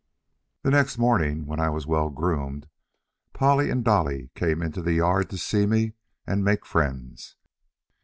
The next morning, when I was well groomed, Polly and Dolly came into the yard to see me and make friends.